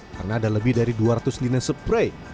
karena ada lebih dari dua ratus linen spray